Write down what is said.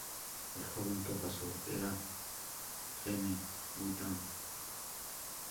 El joven que pasó era Jemmy Button.